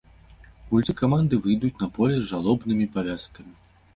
Гульцы каманды выйдуць на поле з жалобнымі павязкамі.